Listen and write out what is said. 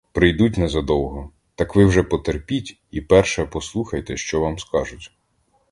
Прийдуть незадовго — так ви вже потерпіть і перше послухайте, що вам скажуть.